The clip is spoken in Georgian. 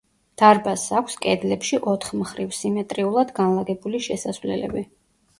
დარბაზს აქვს კედლებში ოთხმხრივ სიმეტრიულად განლაგებული შესასვლელები.